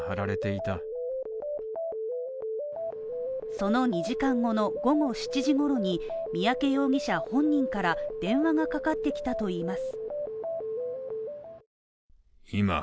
その２時間後の午後７時ごろに三宅容疑者本人から電話がかかってきたといいます。